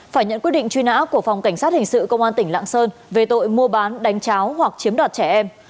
phải nhận quyết định truy nã của phòng cảnh sát hình sự công an tỉnh lạng sơn về tội mua bán đánh cháo hoặc chiếm đoạt trẻ em